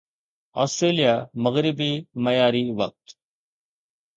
Australia مغربي معياري وقت